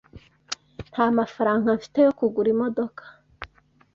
Nta mafaranga mfite yo kugura imodoka.